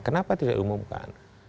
kenapa tidak diumumkan